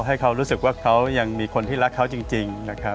ให้เขารู้สึกว่าเขายังมีคนที่รักเขาจริงนะครับ